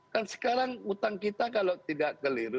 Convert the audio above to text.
kan sekarang utang kita kalau tidak keliru